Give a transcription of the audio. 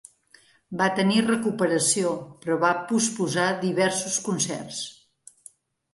Va tenir recuperació però va posposar diversos concerts.